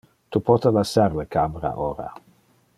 Tu pote lassar le camera ora.